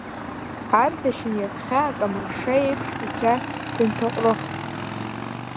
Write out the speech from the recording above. Ардашьын ҩаԥхьа акамаршша еиԥш ицәа дынҭаҟәрыхт.